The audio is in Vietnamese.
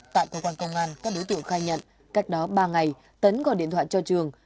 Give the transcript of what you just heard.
tại cơ quan công an các đối tượng khai nhận cách đó ba ngày tấn gọi điện thoại cho trường